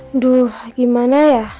aduh gimana ya